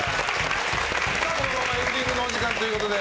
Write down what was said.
このままエンディングのお時間ということで。